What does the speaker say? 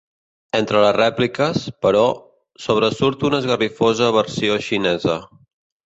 Entre les rèpliques, però, sobresurt una esgarrifosa versió xinesa.